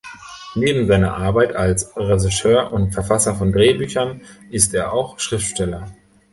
Neben seiner Arbeit als Regisseur und Verfasser von Drehbüchern ist er auch Schriftsteller.